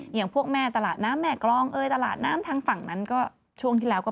อย่างพวกแม่ตลาดน้ำแม่กรองเอ้ยตลาดน้ำทางฝั่งนั้นก็ช่วงที่แล้วก็